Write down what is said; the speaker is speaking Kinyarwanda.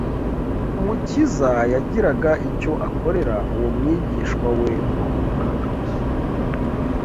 Umukiza yagiraga icyo akorera uwo mwigishwa we wahubukaga